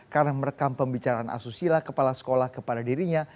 karena merekam pembicaraan asusila kepala sekolah kepada dirinya